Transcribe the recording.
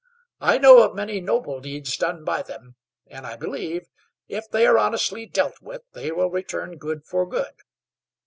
I know of many noble deeds done by them, and I believe, if they are honestly dealt with, they will return good for good.